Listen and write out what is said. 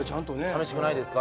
寂しくないですか？